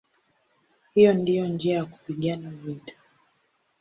Hiyo ndiyo njia ya kupigana vita".